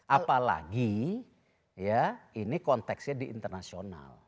apalagi ya ini konteksnya di internasional